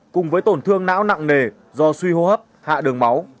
cùng với tổn thương não nặng nề do suy hô hấp hạ đường máu